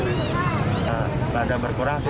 kita mengikuti prosedur saja sih